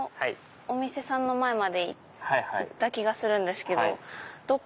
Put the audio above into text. お店さんの前まで行った気がするんですけど。